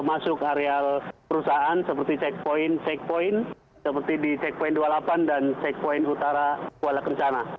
masuk area perusahaan seperti checkpoint checkpoint seperti di checkpoint dua puluh delapan dan checkpoint utara kuala kencana